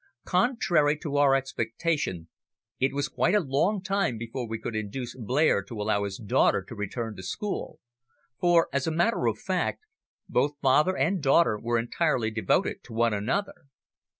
Contrary to our expectation it was quite a long time before we could induce Blair to allow his daughter to return to school, for, as a matter of fact, both father and daughter were entirely devoted to one another.